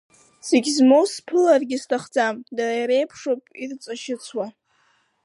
Зегь змоу сԥыларгьы сҭахӡам, дара иреиԥшуп ирыҵашьыцуа!